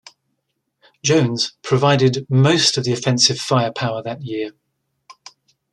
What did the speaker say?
Jones provided most of the offensive firepower that year.